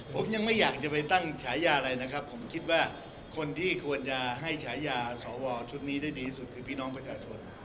ผมยังไม่อยากจะไปตั้งฉายาอะไรนะครับผมคิดว่าคนที่ควรจะให้ฉายาสวชุดนี้ได้ดีสุดคือพี่น้องประชาชน